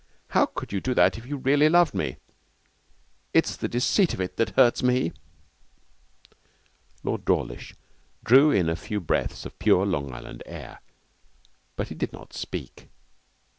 How could you do that if you really loved me? It's the deceit of it that hurts me.' Lord Dawlish drew in a few breaths of pure Long Island air, but he did not speak.